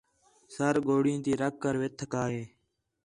سِر ڳوݙیں تی رَکھ کر وِہ تھکا ہیں